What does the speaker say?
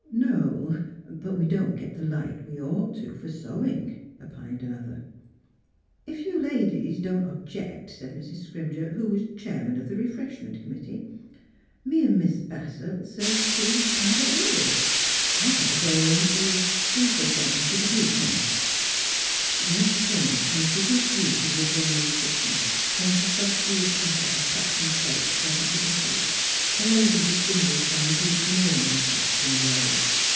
No; but we don't get the light we'd ought to for sewing," opined another. '' If you ladies don't object," said Mrs. Scrim ger, who was the chairman of the refreshment committee, ''me an' Mis' Bassett '11 serv^e tea 306 THE HEAET OF PHILURA kind o' early. I got to go home t' see t' some thin' fer th' deacon." The entertainment committee withdrew to the adjoining kitchen, whence a subdued clatter of cups and plates presently issued. A lady distinguished by a deep mourning cos tume arose.